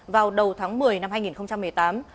vào đầu tháng một mươi năm hai nghìn một mươi tám